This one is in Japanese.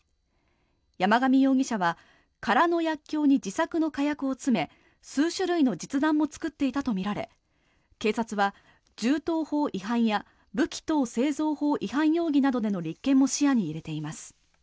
山上容疑者は空の薬きょうに自作の火薬を詰め数種類の実弾も作っていたとみられ警察は銃刀法違反や武器等製造法違反容疑などでの立件も視野に入れています。